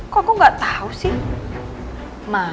kok gue gak tau sih